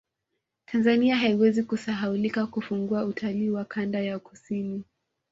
Tanzania haiwezi kusahaulika kufungua utalii wa kanda ya kusini